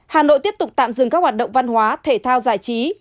hà nội tiếp tục tạm dừng các hoạt động văn hóa thể thao giải trí